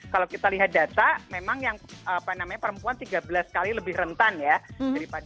kalau kita lihat data memang yang perempuan tiga belas kali lebih rentan ya